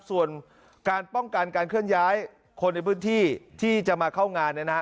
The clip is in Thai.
ส่วนการป้องกันการเคลื่อนย้ายคนในพื้นที่ที่จะมาเข้างานเนี่ยนะฮะ